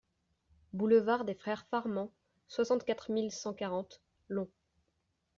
Boulevard des Frères Farman, soixante-quatre mille cent quarante Lons